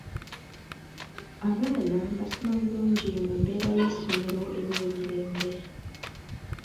Abaana basoma bulungi mu mbeera y'essomero ewa emirembe.